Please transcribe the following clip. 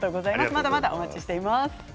まだまだお待ちしてます。